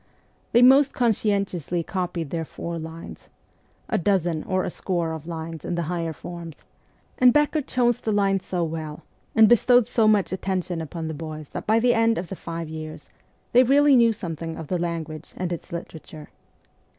They most conscientiously copied their four lines a dozen or a score of lines in the higher forms and Becker chose the lines so well, and bestowed so much attention upon the boys that by the end of the five years they really knew something of the language and its literature.